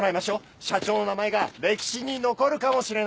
社長の名前が歴史に残るかもしれないし。